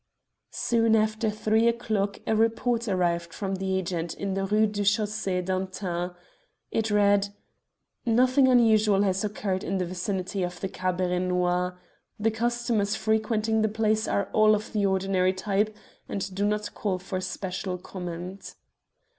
Soon after three o'clock a report arrived from the agent in the Rue du Chaussée d'Antin. It read "Nothing unusual has occurred in the vicinity of the Cabaret Noir. The customers frequenting the place are all of the ordinary type and do not call for special comment.